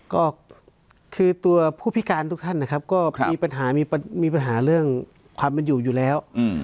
ก็คือตัวผู้พิการทุกท่านนะครับก็มีปัญหามีปัญหาเรื่องความเป็นอยู่อยู่แล้ว